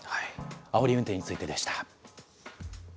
あおり運転についてでした。